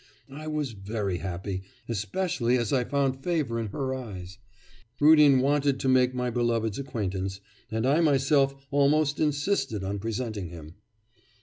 I was very happy, especially as I found favour in her eyes. Rudin wanted to make my beloved's acquaintance, and I myself almost insisted on presenting him.